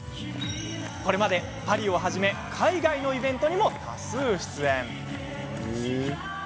これまでパリをはじめ海外のイベントにも多数出演。